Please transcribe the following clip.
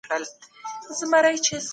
تاسو غواړئ په پښتون ميشته سیمو کي څه وګورئ؟